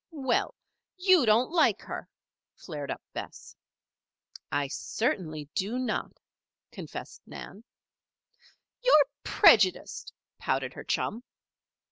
"Well! you don't like her," flared up Bess. "I certainly do not," confessed Nan. "You're prejudiced," pouted her chum.